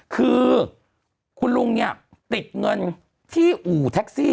คือคุณลุงเนี่ยติดเงินที่อู่แท็กซี่